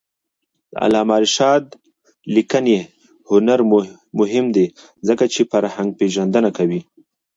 د علامه رشاد لیکنی هنر مهم دی ځکه چې فرهنګپېژندنه کوي.